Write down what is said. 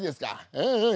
うんうん